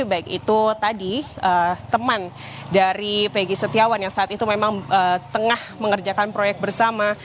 baik itu tadi teman dari pegi setiawan yang saat itu memang tengah mengerjakan proyek bersama